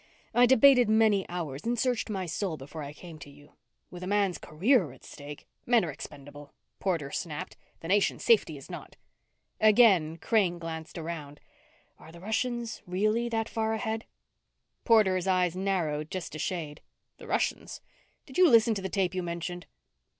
I debated many hours and searched my soul before I came to you. With a man's career at stake " "Men are expendable," Porter snapped. "The nation's safety is not." Again Crane glanced around. "Are the Russians really that far ahead?" Porter's eyes narrowed just a shade. "The Russians? Did you listen to the tape you mentioned?"